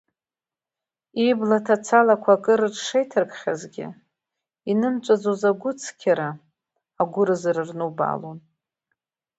Ибла ҭацалақәа акыр рыҽшеиҭаркхьазгьы, инымҵәаӡоз агәыцқьара, агәыразра рнубаалон.